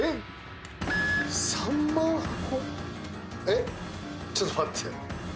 えっちょっと待って。